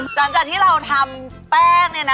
หลังจากที่เราทำแป้ง